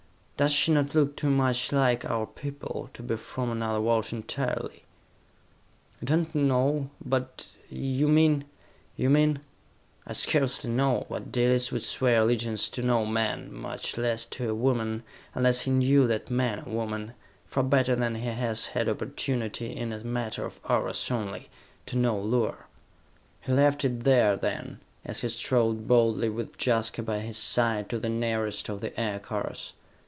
Does she not look too much like our people, to be from another world entirely?" "I do not know, but ... you mean ... you mean...?" "I scarcely know; but Dalis would swear allegiance to no man, much less to a woman, unless he knew that man, or woman, far better than he has had opportunity, in a matter of hours only, to know Luar!" He left it there then, as he strode boldly, with Jaska by his side, to the nearest of the aircars.